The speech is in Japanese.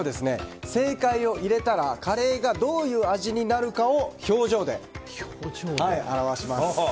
正解を入れたらカレーがどういう味になるかを表情で表します。